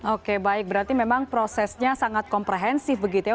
oke baik berarti memang prosesnya sangat komprehensif begitu ya